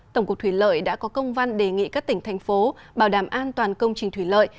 tổng cục thủy lợi đã có công văn đề nghị các tỉnh thành phố bảo đảm an toàn công trình thủy lợi